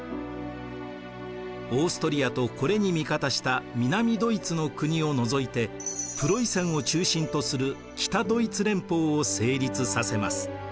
オーストリアとこれに味方した南ドイツの国を除いてプロイセンを中心とする北ドイツ連邦を成立させます。